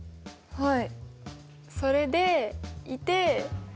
はい。